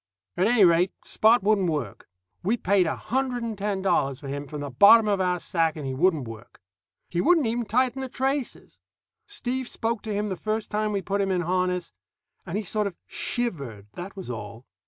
At any rate, Spot wouldn't work. We paid a hundred and ten dollars for him from the bottom of our sack, and he wouldn't work. He wouldn't even tighten the traces. Steve spoke to him the first time we put him in harness, and he sort of shivered, that was all.